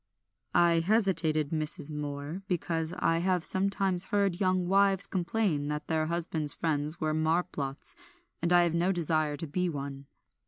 "I hesitated, Mrs. Moor, because I have sometimes heard young wives complain that their husbands' friends were marplots, and I have no desire to be one."